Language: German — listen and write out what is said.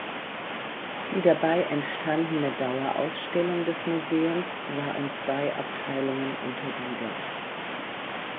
Die dabei entstandene Dauerausstellung des Museums war in zwei Abteilungen untergliedert.